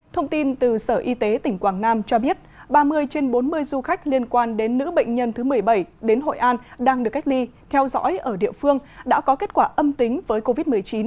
thông tin từ sở y tế tỉnh quảng nam cho biết ba mươi trên bốn mươi du khách liên quan đến nữ bệnh nhân thứ một mươi bảy đến hội an đang được cách ly theo dõi ở địa phương đã có kết quả âm tính với covid một mươi chín